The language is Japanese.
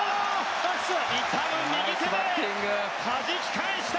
痛む右手ではじき返した。